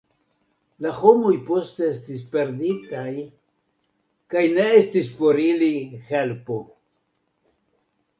La homoj poste estis perditaj kaj ne estis por ili helpo.